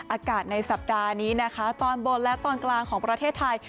อากาศในสัปดาห์นี้นะคะตอนบนและตอนกลางของประเทศไทย